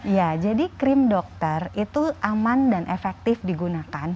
ya jadi krim dokter itu aman dan efektif digunakan